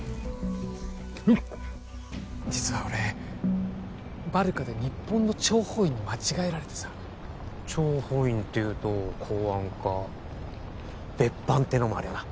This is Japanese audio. うっ実は俺バルカで日本の諜報員に間違えられてさ諜報員っていうと公安か別班ってのもあるよな